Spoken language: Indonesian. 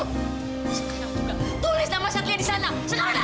sekarang juga tulis nama satria di sana sekarang